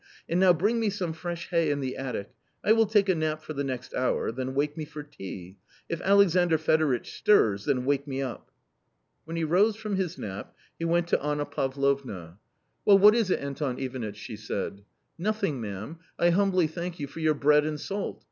And now bring me some fresh hay in the attic, I will take a nap for the next hour ; then wake me for tea. If Alexandr Fedoritch stirs, then wake me up. When he rose from his nap he went to Anna Pavlovna. 252 A COMMON STORY "Well, what is it, Anton Ivanitch?" Bhe said. " Nothing, ma'am, I humbly thank you for your bread and salt